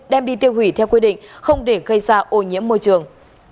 đem đi tiêu hủy theo quy định không để gây ra ô nhiễm môi trường